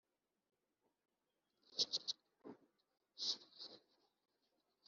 warwanya incyuro y'ibyo wakoze, rubanda bakarushaho